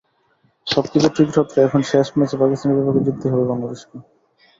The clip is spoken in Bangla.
সবকিছু ঠিক রাখতে এখন শেষ ম্যাচে পাকিস্তানের বিপক্ষে জিততেই হবে বাংলাদেশকে।